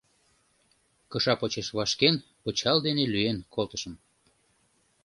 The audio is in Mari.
Кыша почеш вашкен, пычал дене лӱен колтышым.